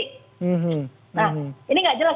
nah ini nggak jelas